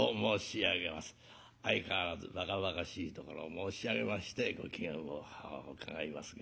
相変わらずばかばかしいところを申し上げましてご機嫌を伺いますが。